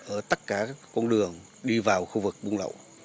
ở tất cả con đường đi vào khu vực bung lậu